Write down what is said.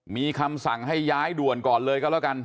มีคำสั่งให้ย้ายด่วนก่อนเลยก็แล้วกัน